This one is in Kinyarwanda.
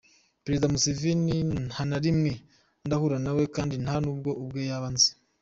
Perezida Museveni ntanarimwe ndahura nawe kandi nta nubwo ubwe yaba anzi.